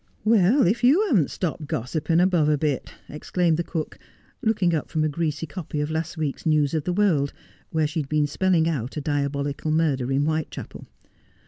' Well, if you haven't stopped gossiping above a bit,' ex claimed the cook, looking up from a greasy copy of last week's News of the World, where she had been spelling out a diabolical murder in Whitechapel.